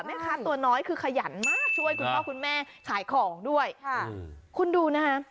แม่ค้าตัวน้อยคือขยันมากช่วยคุณพ่อคุณแม่ขายของด้วยค่ะคุณดูนะฮะ